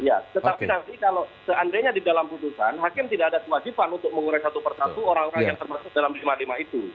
ya tetapi nanti kalau seandainya di dalam putusan hakim tidak ada kewajiban untuk mengurai satu persatu orang orang yang termasuk dalam lima puluh lima itu